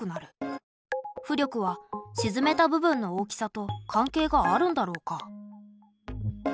浮力はしずめた部分の大きさと関係があるんだろうか？